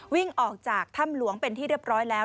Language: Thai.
วิ่งออกจากถ้ำหลวงเป็นที่เรียบร้อยแล้ว